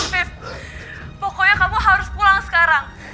have pokoknya kamu harus pulang sekarang